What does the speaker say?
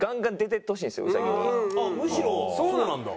むしろそうなんだ？